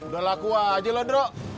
udah laku aja lo druk